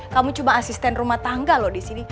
kamu cuma asisten rumah tangga loh disini